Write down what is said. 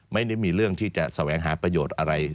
ไม่ได้มีเรื่องที่จะแสวงหาประโยชน์อะไร